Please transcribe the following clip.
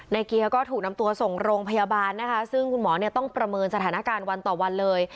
เกียร์ก็ถูกนำตัวส่งโรงพยาบาลนะคะซึ่งคุณหมอเนี่ยต้องประเมินสถานการณ์วันต่อวันเลย